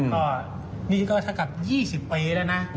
ก็นี่ก็เท่ากับ๒๐ปีแล้วนะ